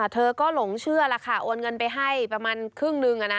เธอก็หลงเชื่อล่ะค่ะโอนเงินไปให้ประมาณครึ่งนึง